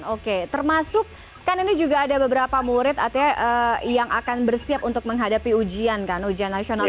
oke termasuk kan ini juga ada beberapa murid yang akan bersiap untuk menghadapi ujian kan ujian nasional